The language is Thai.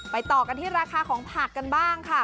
ต่อกันที่ราคาของผักกันบ้างค่ะ